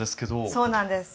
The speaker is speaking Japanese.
そうなんです。